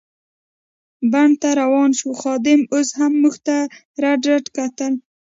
بڼ ته روان شوو، خادم اوس هم موږ ته رډ رډ کتل.